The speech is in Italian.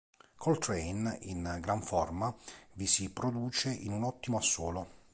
Coltrane, in gran forma, vi si produce in un ottimo assolo.